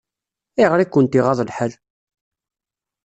Ayɣer i kent-iɣaḍ lḥal?